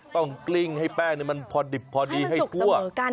ต้องกลิ้งให้แป้งนี่มันพอดีให้ทั่ว